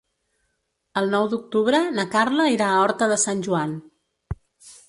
El nou d'octubre na Carla irà a Horta de Sant Joan.